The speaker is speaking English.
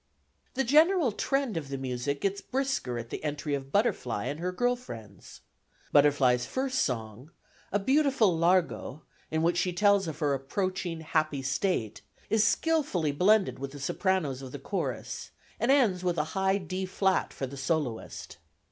The general trend of the music gets brisker at the entry of Butterfly and her girl friends. Butterfly's first song, a beautiful "largo," in which she tells of her approaching happy state, is skilfully blended with the sopranos of the chorus, and ends with a high D flat for the soloist.